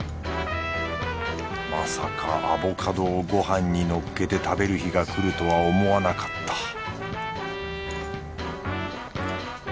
まさかアボカドをご飯にのっけて食べる日が来るとは思わなかった